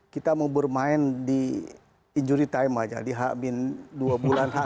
kita mau bermain di injury time aja di h dua bulan h satu